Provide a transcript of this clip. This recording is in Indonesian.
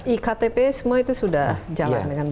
iktp semua itu sudah jalan dengan baik